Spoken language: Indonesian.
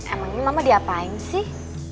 emang ini mama diapain sih